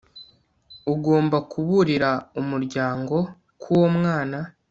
ugomba kuburira umuryango ko uwo mwana